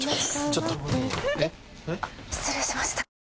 あっ失礼しました。